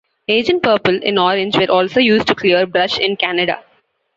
Agent Purple and Orange were also used to clear brush in Canada.